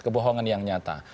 kebohongan yang nyata